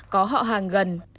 có họ hàng gần